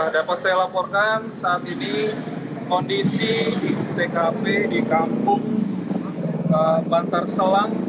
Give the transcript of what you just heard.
dapat saya laporkan saat ini kondisi tkp di kampung bantar selang